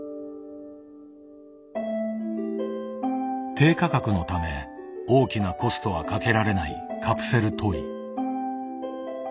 低価格のため大きなコストはかけられないカプセルトイ。